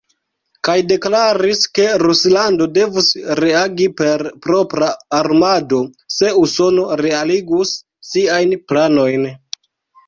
Kaj deklaris, ke Ruslando devus reagi per propra armado, se Usono realigus siajn planojn.